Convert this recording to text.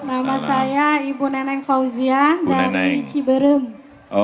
nama saya ibu neneng fauzia dari ciberem